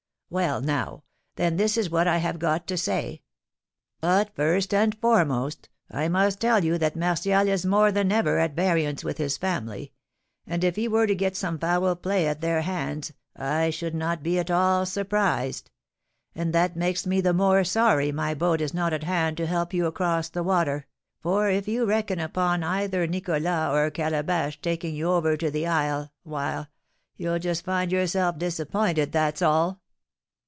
Well, now, then, this is what I have got to say; but, first and foremost, I must tell you that Martial is more than ever at variance with his family; and, if he were to get some foul play at their hands, I should not be at all surprised; and that makes me the more sorry my boat is not at hand to help you across the water, for, if you reckon upon either Nicholas or Calabash taking you over to the isle, why, you'll just find yourself disappointed, that's all."